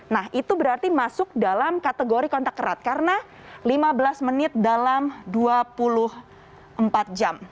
nah itu berarti masuk dalam kategori kontak erat karena lima belas menit dalam dua puluh empat jam